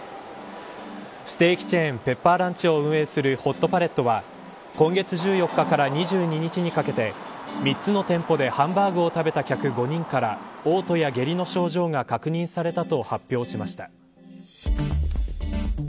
ステーキチェーンペッパーランチを運営するホットパレットは今月１４日から２２日にかけて３つの店舗でハンバーグを食べた客５人から嘔吐や下痢の症状が確認されたと発表しました。